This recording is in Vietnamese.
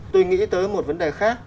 tôi nghĩ tới một vấn đề khác